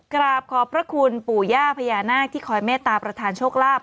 กราบขอบพระคุณปู่ย่าพญานาคที่คอยเมตตาประธานโชคลาภ